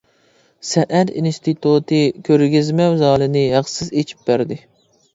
سەنئەت ئىنستىتۇتى كۆرگەزمە زالىنى ھەقسىز ئېچىپ بەردى.